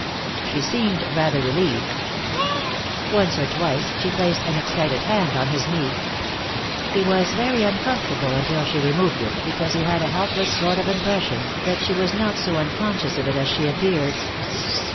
She seemed rather relieved. Once or twice she placed an excited hand on his knee. He was very uncomfortable until she removed it, because he had a helpless sort of impression that she was not quite so unconscious of it as she appeared.